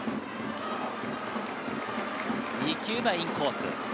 ２球目はインコース。